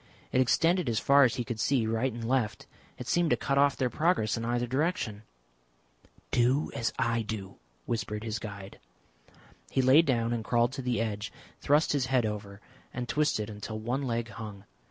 It extended as far as he could see right and left. It seemed to cut off their progress in either direction. "Do as I do," whispered his guide. He lay down and crawled to the edge, thrust his head over and twisted until one leg hung.